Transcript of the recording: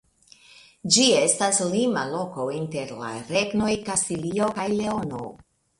Ĝi estis lima loko inter la regnoj Kastilio kaj Leono.